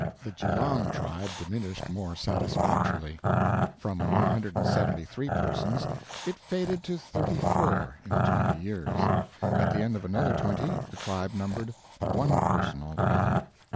The Geelong tribe diminished more satisfactorily: from 173 persons it faded to 34 in twenty years; at the end of another twenty the tribe numbered one person altogether.